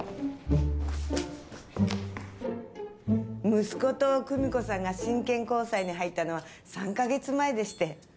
息子と久美子さんが真剣交際に入ったのは３カ月前でして。